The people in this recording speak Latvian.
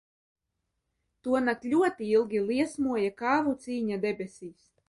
Tonakt ļoti ilgi liesmoja kāvu cīņa debesīs.